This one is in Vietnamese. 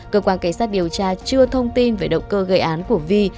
cơ quan cảnh sát điều tra chưa thông tin về động cơ gây án của vi